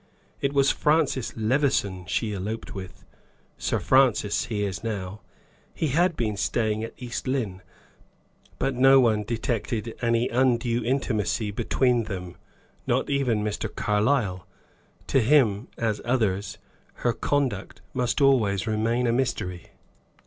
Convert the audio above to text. It was Francis Levison she eloped with Sir Francis he is now. He had been staying at East Lynne, but no one detected any undue intimacy between them, not even Mr. Carlyle. To him, as others, her conduct must always remain a mystery."